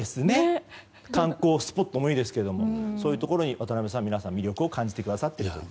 観光スポットもいいですけど、そういうところに渡辺さん、皆さん魅力を感じてくださっていると。